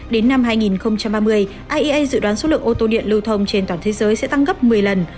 đến năm hai nghìn ba mươi iea dự đoán số lượng ô tô điện lưu thông trên toàn thế giới sẽ tăng gấp một mươi lần